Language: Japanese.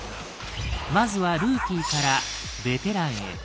まずは「ルーキー」から「ベテラン」へ。